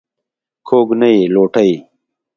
کوږ نه یې لوټه یې.